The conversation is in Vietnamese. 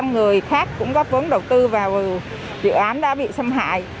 hai trăm linh người khác cũng góp vốn đầu tư vào dự án đã bị xâm hại